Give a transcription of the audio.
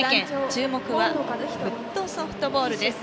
注目はフットソフトボールです。